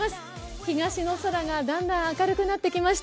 東の空がだんだん明るくなってきました。